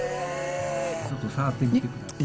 ちょっと触ってみて下さい。